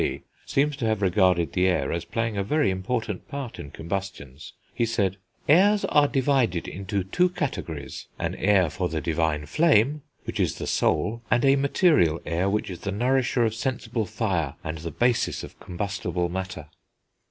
D., seems to have regarded the air as playing a very important part in combustions; he said "Airs are divided into two categories; an air for the divine flame, which is the soul; and a material air which is the nourisher of sensible fire, and the basis of combustible matter."